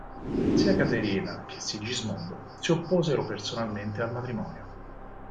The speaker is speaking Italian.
Sia Caterina che Sigismondo si opposero personalmente al matrimonio.